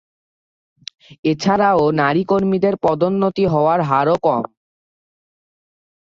এছাড়াও নারী কর্মীদের পদোন্নতি হওয়ার হারও কম।